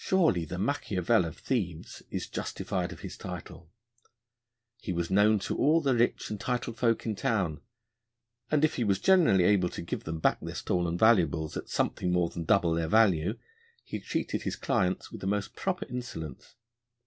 Surely the Machiavel of Thieves is justified of his title. He was known to all the rich and titled folk in town; and if he was generally able to give them back their stolen valuables at something more than double their value, he treated his clients with a most proper insolence.